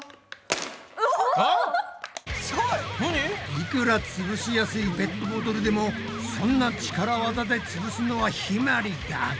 いくらつぶしやすいペットボトルでもそんな力技でつぶすのはひまりだけ！